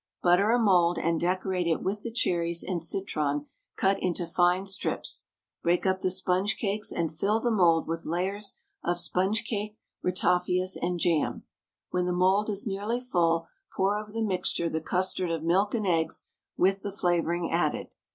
Butter a mould and decorate it with the cherries and citron cut into fine strips, break up the sponge cakes and fill the mould with layers of sponge cake, ratafias, and jam. When the mould is nearly full, pour over the mixture the custard of milk and eggs with the flavouring added.